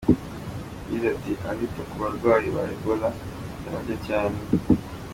Yagize ati “Abita ku barwayi ba Ebola bari bake cyane.